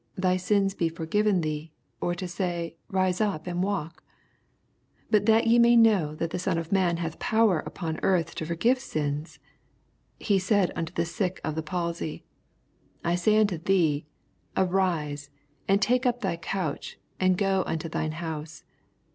Thy sins be forgiven thee ; or to say, Bise up and walk f 24 But that ye may know that the Son of man hath power upon earth to forgive sins, (he said unto the sick of the palsy,) I say unto thee, Anse, and take up thy couch, and go unto thine house.